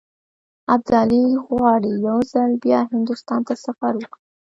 ابدالي غواړي یو ځل بیا هندوستان ته سفر وکړي.